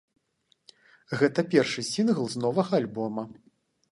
Гэта першы сінгл з новага альбома.